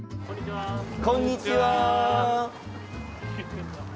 こんにちは。